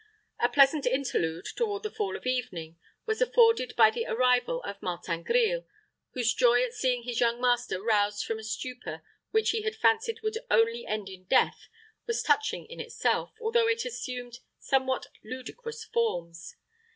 A pleasant interlude, toward the fall of evening, was afforded by the arrival of Martin Grille, whose joy at seeing his young master roused from a stupor which he had fancied would only end in death was touching in itself, although it assumed somewhat ludicrous forms.